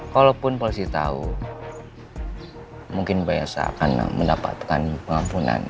kalaupun polisi tau mungkin mbak yelza akan mendapatkan pengampunan